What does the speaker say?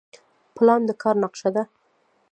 پلان د کار نقشه ده